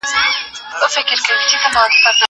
که وخت وي، نان خورم!